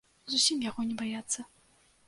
Зусім яго не баяцца.